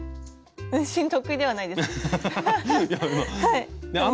運針得意ではないです。